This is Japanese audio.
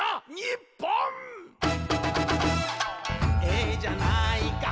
「ええじゃないか」